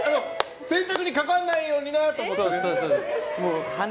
洗濯にかからないようになと思ってね。